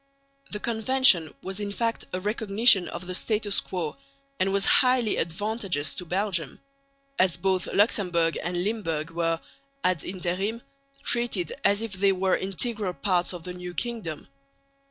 The Convention was in fact a recognition of the status quo and was highly advantageous to Belgium, as both Luxemburg and Limburg were ad interim treated as if they were integral parts of the new kingdom.